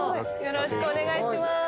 よろしくお願いします。